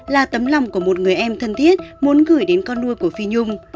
là tấm lòng của một người em thân thiết muốn gửi đến con nuôi của phi nhung